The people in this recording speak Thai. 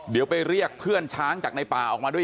เดี๋ยวไปเรียกเพื่อนช้างจากในป่าออกมาด้วย